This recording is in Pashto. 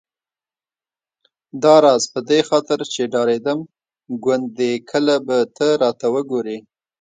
داراز په دې خاطر چې ډارېدم ګوندې کله به ته راته وګورې.